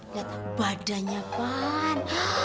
lihat badannya bang